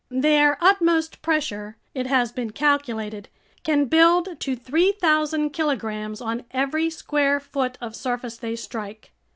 Their utmost pressure—it has been calculated—can build to 3,000 kilograms on every square foot of surface they strike.